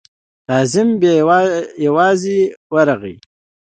کازم بې یوازې ورغی.